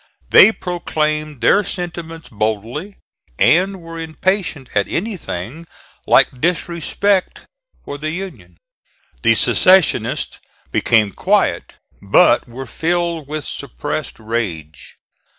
They proclaimed their sentiments boldly, and were impatient at anything like disrespect for the Union. The secessionists became quiet but were filled with suppressed rage.